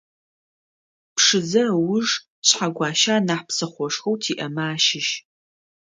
Пшызэ ыуж Шъхьэгуащэ анахь псыхъошхоу тиӏэмэ ащыщ.